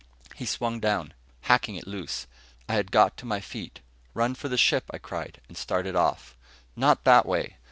He swung down, hacking it loose. I had got to my feet. "Run for the ship," I cried, and started off. "Not that way."